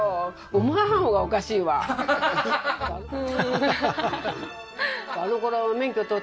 思わん方がおかしいわははは